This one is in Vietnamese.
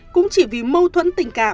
cũng chỉ vì mâu thuẫn tình cảm